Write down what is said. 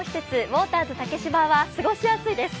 ウォーターズ竹芝は過ごしやすいです。